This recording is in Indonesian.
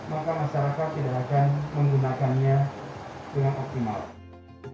maka masyarakat tidak akan menggunakannya dengan optimal